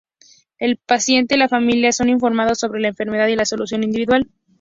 El paciente y la familia son informados sobre la enfermedad y la solución individual.